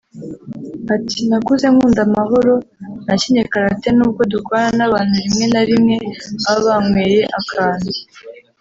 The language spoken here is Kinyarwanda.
Ati “Nakuze nkunda amahoro nakinnye karate n’ubwo dukorana n’abantu rime na rimwe baba banyweye akantu